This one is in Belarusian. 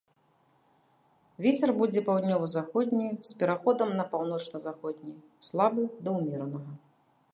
Вецер будзе паўднёва-заходні з пераходам на паўночна-заходні, слабы да ўмеранага.